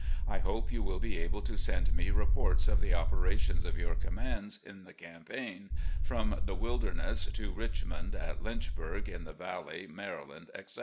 I hope you will be able to send me reports of the operations of your commands in the cam paign, from the Wilderness to Richmond, at Lynchburg, in the Valley, Maryland, etc.